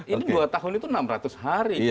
ini dua tahun itu enam ratus hari